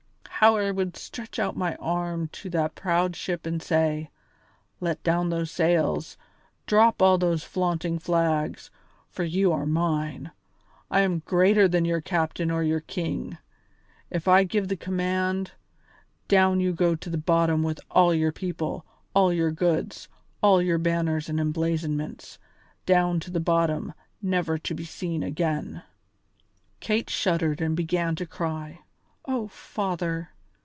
How I would stretch out my arm to that proud ship and say: 'Let down those sails, drop all those flaunting flags, for you are mine; I am greater than your captain or your king! If I give the command, down you go to the bottom with all your people, all your goods, all your banners and emblazonments, down to the bottom, never to be seen again!'" [Illustration: Kate and her father in the warehouse.] Kate shuddered and began to cry. "Oh, father!"